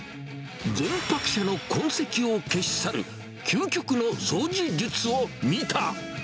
前泊者の痕跡を消し去る究極の掃除術を見た！